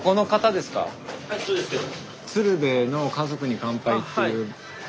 あそうですけど。